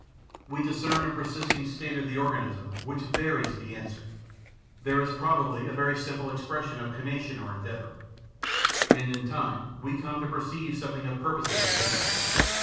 We discern a persisting state of the organism which varies the answers ; there is probably a simple expression of conation or endeavour. And in time we come to perceive something of purposive behaviour.